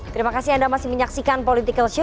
terima kasih anda masih menyaksikan politikals io